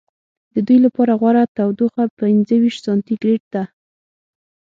د دوی لپاره غوره تودوخه پنځه ویشت سانتي ګرېد ده.